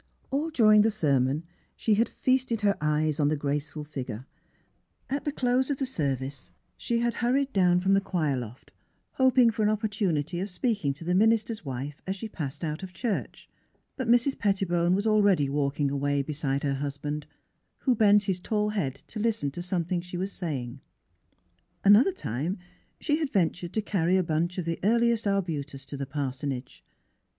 All during the sermon she had feasted her eyes on the graceful figure. At the close of the service she had hurried down from the choir loft, hoping for an opportunity of speaking to the minister's wife as she passed out of church. But Mrs. Pettibone was already walking away beside her husband, who bent his tall head to listen to something she was saying. 18 THE HEART OF PHILUEA Another time she had ventured to carry a bunch of the earliest arbutus to the parsonage.